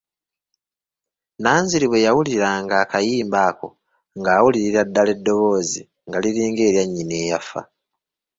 Nanziri bwe yawuliranga akayimba ako ng'awulirira ddala eddoboozi nga liringa erya nnyina eyafa.